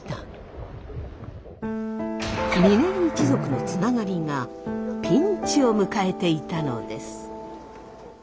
嶺井一族のつながりがピンチを迎えていたのです。